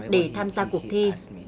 để tham gia cuộc thi